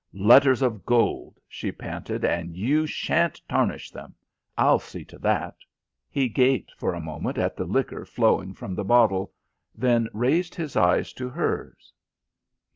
"Letters of gold," she panted, "and you shan't tarnish them. I'll see to that." He gaped for a moment at the liquor flowing from the bottle, then raised his eyes to hers.